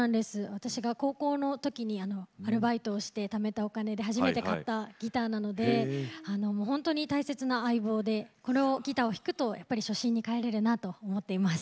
私が高校のときにアルバイトをして、ためたお金で初めて買ったギターなので本当に大切な相棒でこのギターを弾くと、やっぱり初心に返れるなと思っています。